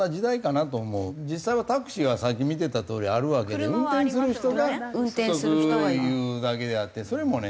実際はタクシーはさっき見てたとおりあるわけで運転する人が不足というだけであってそれもね